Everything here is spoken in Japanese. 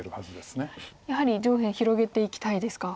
やはり上辺広げていきたいですか。